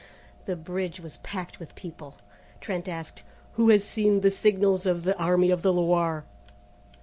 The bridge was packed with people. Trent asked: "Who has seen the signals of the Army of the Loire?"